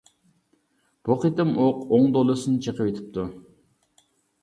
بۇ قېتىم ئوق ئوڭ دولىسىنى چېقىۋېتىپتۇ.